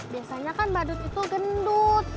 biasanya kan badut itu gendut